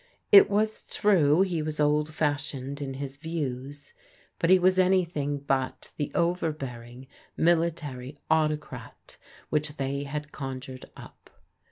It was true he was old fashioned in his views, but he was anything but the overbearing, military autocrat which they had con jured up.